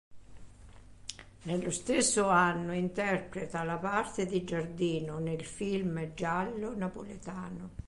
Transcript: Nello stesso anno interpreta la parte di Giardino, nel film "Giallo Napoletano".